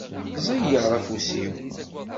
Ẓeyyeṛ afus-iw.